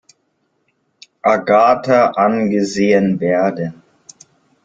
Agatha angesehen werden.